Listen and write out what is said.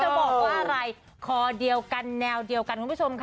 บอกว่าอะไรคอเดียวกันแนวเดียวกันคุณผู้ชมค่ะ